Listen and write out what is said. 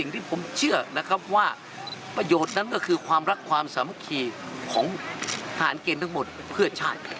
ทหารเกณฑ์ทั้งหมดเพื่อชาติ